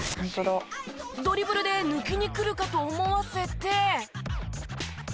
ドリブルで抜きにくるかと思わせて。